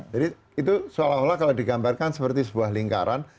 jadi itu seolah olah kalau digambarkan seperti sebuah lingkaran